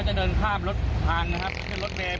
นั่นนู้นอ่ะประมาณอ่ารถรถรถจอดอ่ะครับ